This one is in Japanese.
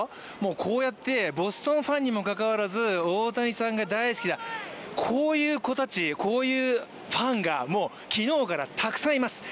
こうやって、ボストンファンにもかかわらず大谷さんが大好きだこういう子たち、こういうファンがもう昨日からたくさんいます。